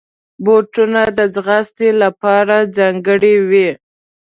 بوټونه د ځغاستې لپاره ځانګړي وي.